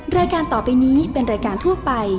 รายการต่อไปนี้เป็นรายการทั่วไป